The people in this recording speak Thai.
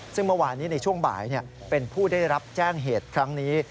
ซึ่งเมื่อวานนี้ในช่วงบ่ายเป็นผู้ได้รับแจ้งเหตุครั้งนี้